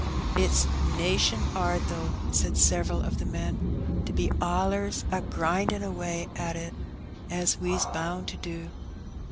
"Ifs 'nation 'ard, though," said several of the men, "to be allers a grindin' away at it as we's bound to do."